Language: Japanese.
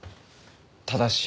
ただし。